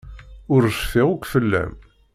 Ur rfiɣ akk fell-am.